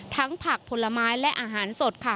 ผักผลไม้และอาหารสดค่ะ